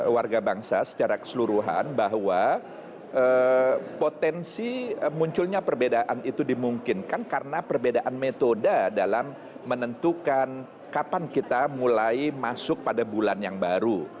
warga bangsa secara keseluruhan bahwa potensi munculnya perbedaan itu dimungkinkan karena perbedaan metode dalam menentukan kapan kita mulai masuk pada bulan yang baru